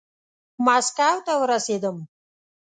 ماسکو ته ورسېدم.